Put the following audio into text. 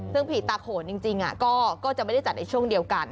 ซึ่งผีตาโขนจริงก็จะไม่ได้จัดในช่วงเดียวกัน